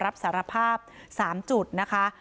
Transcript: รับสารภาพ๓จุดนะคะ